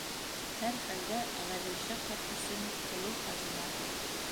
Һәр хәлдә Ғәҙелша ҡарт өсөн оло хазина.